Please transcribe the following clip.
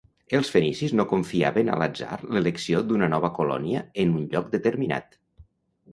Els fenicis no confiaven a l'atzar l'elecció d'una nova colònia en un lloc determinat.